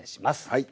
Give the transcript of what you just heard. はい。